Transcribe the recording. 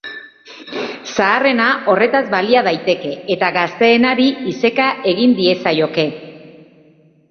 Zaharrena horretaz balia daiteke, eta gazteenari iseka egin diezaioke.